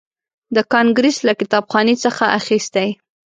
د کانګریس له کتابخانې څخه اخیستی.